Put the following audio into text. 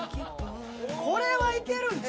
これはいけるんちゃう？